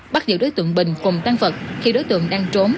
bắt giữ đối tượng bình cùng tăng vật khi đối tượng đang trốn